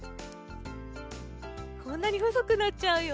こんなにほそくなっちゃうよ。